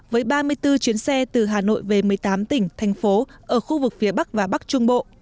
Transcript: với ba mươi bốn chuyến xe từ hà nội về một mươi tám tỉnh thành phố ở khu vực phía bắc và bắc trung bộ